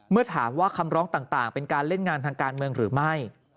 เมื่อถามว่าคำร้องต่างเป็นการเล่นงานทางการเมืองหรือไม่